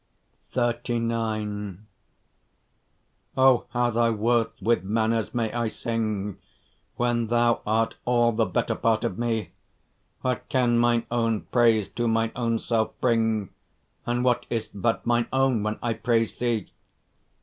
XXXIX O! how thy worth with manners may I sing, When thou art all the better part of me? What can mine own praise to mine own self bring? And what is't but mine own when I praise thee?